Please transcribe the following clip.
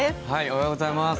おはようございます。